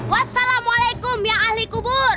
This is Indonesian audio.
wassalamualaikum ya ahli kubur